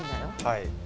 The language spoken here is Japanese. はい。